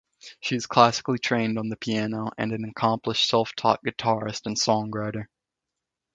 She is classically trained on piano and an accomplished self-taught guitarist and songwriter.